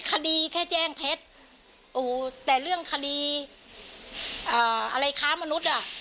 คดีแค่แจ้งเท็จแต่เรื่องคดีอะไรค้ามนุษย์อ่ะ